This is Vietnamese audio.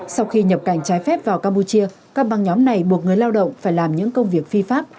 sau khi nhập cảnh trái phép vào campuchia các băng nhóm này buộc người lao động phải làm những công việc phi pháp